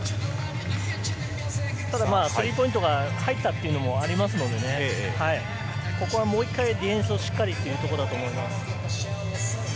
ただ、まぁスリーポイントが入ったというのもありますので、ここはもう一回ディフェンスをしっかりというところだと思います。